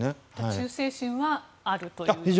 忠誠心はあるということですか。